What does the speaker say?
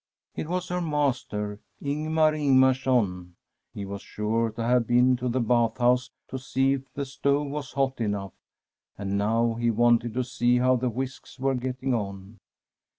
It was her master, Ing^ar Ing^arson. He was sure to have been to the bath house to see if the stove was hot enough, and now he wanted to see how the whisks were getting on.